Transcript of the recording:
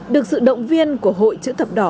được sự động viên của hội chữ thập đỏ